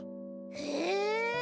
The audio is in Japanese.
へえ。